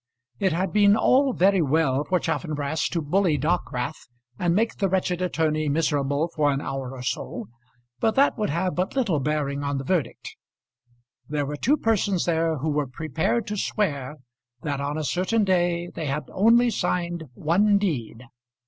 It had been all very well for Chaffanbrass to bully Dockwrath and make the wretched attorney miserable for an hour or so, but that would have but little bearing on the verdict. There were two persons there who were prepared to swear that on a certain day they had only signed one deed.